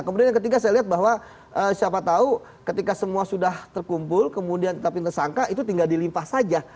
kemudian yang ketiga saya lihat bahwa siapa tahu ketika semua sudah terkumpul kemudian tetapin tersangka itu tinggal dilimpah saja